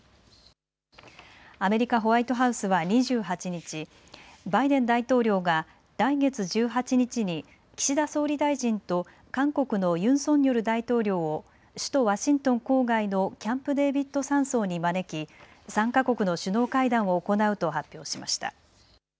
アメリカ・ホワイトハウスは２８日、バイデン大統領が来月１８日に岸田総理大臣と韓国のユン・ソンニョル大統領を首都ワシントン郊外のキャンプ・デービッド山荘に招き３か国の首脳会談を行うと発表しました。